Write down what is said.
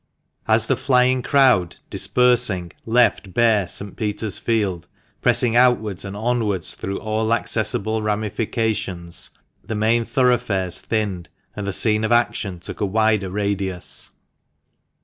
As the flying crowd, dispersing, left bare St. Peter's Field, pressing outward and onwards through all accessible ramifications, the main thorough fares thinned, and the scene of action took a wider radius.